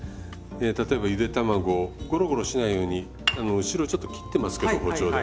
例えばゆで卵ゴロゴロしないように後ろをちょっと切ってますけど包丁で。